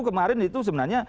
kemarin itu sebenarnya